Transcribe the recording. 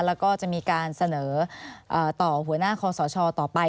แล้วก็จะมีการเสนอต่อหัวหน้าคอสชต่อไป